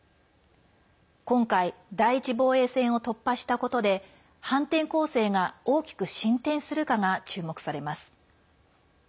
今回、第１防衛線を突破したことで反転攻勢が大きく進展するかが注目されます。